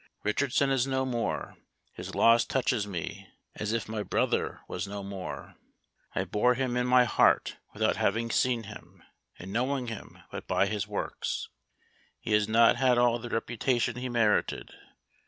"Richardson is no more! His loss touches me, as if my brother was no more. I bore him in my heart without having seen him, and knowing him but by his works. He has not had all the reputation he merited.